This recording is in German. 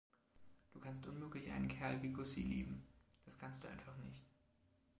Du kannst unmöglich einen Kerl wie Gussie lieben. Das kannst du einfach nicht.